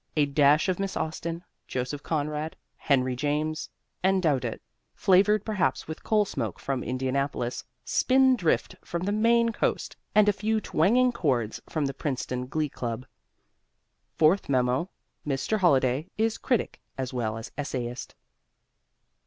A dash of Miss Austen, Joseph Conrad, Henry James and Daudet; flavored perhaps with coal smoke from Indianapolis, spindrift from the Maine coast and a few twanging chords from the Princeton Glee Club. Fourth Memo Mr. Holliday is critic as well as essayist.